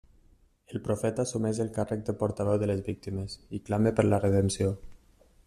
El profeta assumeix el càrrec de portaveu de les víctimes i clama per la redempció.